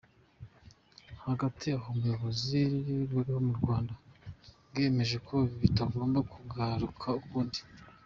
Hagati aho ubuyobozi buriho mu Rwanda bwiyemeje ko bitagomba kugaruka ukundi.